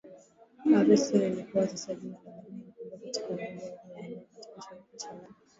Urusi lilikuwa sasa jina la jamhuri kubwa katika umoja huu nao ukaitwa Shirikisho la